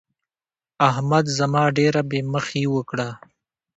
احمد زما ډېره بې مخي وکړه.